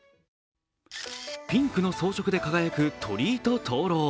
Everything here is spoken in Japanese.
ピンクの装飾で輝く鳥居と灯籠。